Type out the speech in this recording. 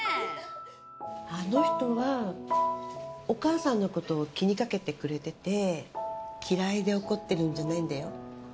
あの人はお母さんのことを気にかけて嫌いで怒ってるんじゃないんだよ。